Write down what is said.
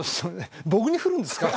僕に振るんですか。